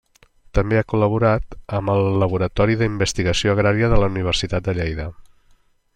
També ha col·laborat amb el laboratori d’investigació agrària de la Universitat de Lleida.